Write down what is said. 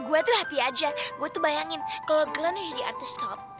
gue tuh happy aja gue tuh bayangin kalo glenn itu jadi artis top